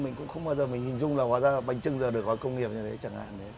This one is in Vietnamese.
mình cũng không bao giờ mình hình dung là bánh trưng giờ được gọi công nghiệp như thế chẳng hạn